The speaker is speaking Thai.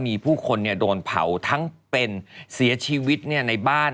มีผู้คนโดนเผาทั้งเป็นเสียชีวิตในบ้าน